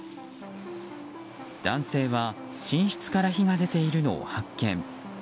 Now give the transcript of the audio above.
男性は寝室から火が出ているのを発見。